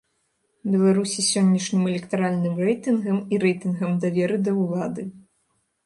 Беларусі сённяшнім электаральным рэйтынгам і рэйтынгам даверу да ўлады.